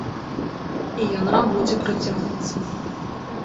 І яна будзе працягвацца.